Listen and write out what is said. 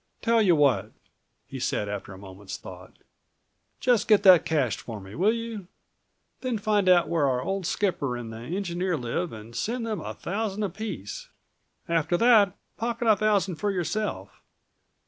"Tell you what," he said after a moment's thought, "just get that cashed for me, will you? Then find out where our old skipper and the engineer live and send them a thousand apiece. After that pocket a thousand for yourself.